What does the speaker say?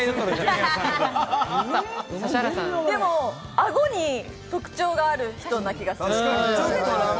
顎に特徴がある人な気がする。